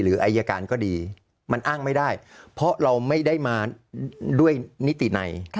อายการก็ดีมันอ้างไม่ได้เพราะเราไม่ได้มาด้วยนิติใน